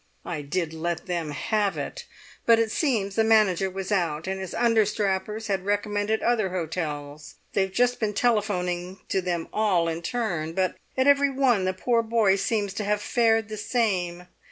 I did let them have it! But it seems the manager was out, and his understrappers had recommended other hotels; they've just been telephoning to them all in turn, but at every one the poor boy seems to have fared the same.